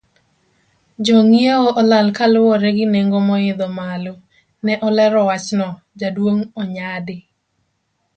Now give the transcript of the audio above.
Jongiewo olal kaluwore gi nengo moidho malo, ne olero wachno, jaduong Onyadi.